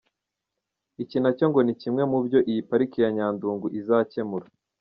Iki nacyo ngo ni kimwe mu byo iyi pariki ya Nyandungu izakemura.